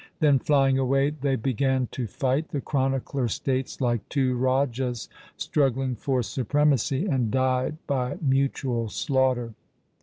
Then flying away they began to fight, the chronicler states, like two rajas struggling for supremacy, and died by mutual slaughter.